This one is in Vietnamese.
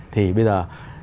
thì bây giờ